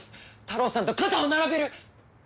タロウさんと肩を並べる。